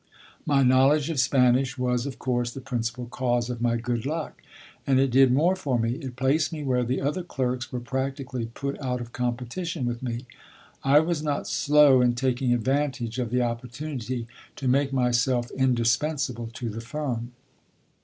My knowledge of Spanish was, of course, the principal cause of my good luck; and it did more for me: it placed me where the other clerks were practically put out of competition with me. I was not slow in taking advantage of the opportunity to make myself indispensable to the firm.